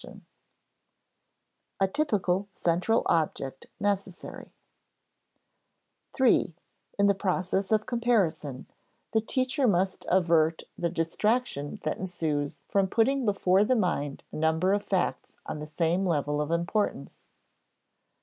[Sidenote: A typical central object necessary] (iii) In the process of comparison, the teacher must avert the distraction that ensues from putting before the mind a number of facts on the same level of importance.